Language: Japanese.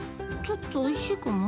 ちょっとおいしいかな。